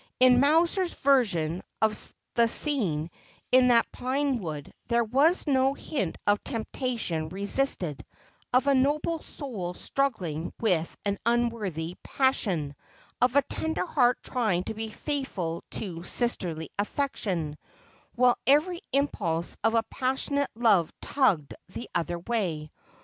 In Mowser's version of that scene in the pine wood there was no hint of temptation resisted, of a noble soul struggling with an unworthy passion, of a tender heart trying to be faithful to sisterly affection, while every impulse of a passionate love tugged the other way.